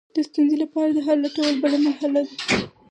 د ستونزې لپاره د حل لټول بله مرحله ده.